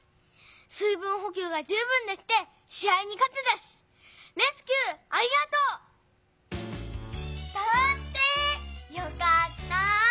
水分ほきゅうが十分できてし合にかてたしレスキューありがとう！だって！よかった！